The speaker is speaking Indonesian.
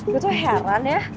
gue tuh heran ya